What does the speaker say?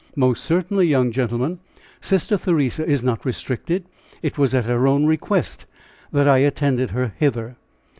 "Most certainly, young gentleman; Sister Theresa is not restricted. It was at her own request that I attended her hither."